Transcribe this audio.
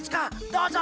どうぞ。